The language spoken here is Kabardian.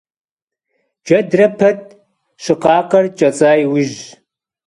Джэдрэ пэт щыкъакъэр кӀэцӀа иужьщ.